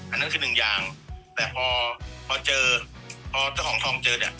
อันนั้นคือหนึ่งอย่างแต่พอพอเจอพอเจ้าของทองเจอเนี่ย